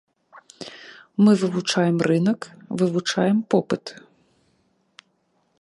Мы вывучаем рынак, вывучаем попыт.